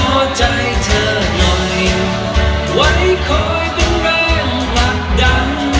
หัวใจเธอหน่อยไว้คอยเป็นแรงผลักดัน